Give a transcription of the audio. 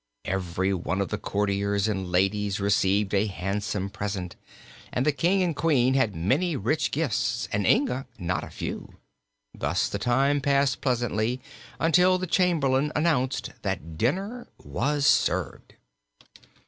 Every one of the courtiers and ladies received a handsome present, and the King and Queen had many rich gifts and Inga not a few. Thus the time passed pleasantly until the Chamberlain announced that dinner was served.